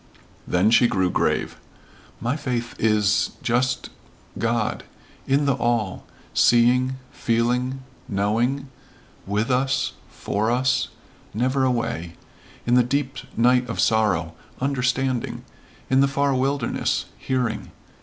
Then she grew grave, "My faith is just God. In the all. Seeing feeling knowing with us for us never away in the deep night of sorrow understanding. In the far wilderness hearing.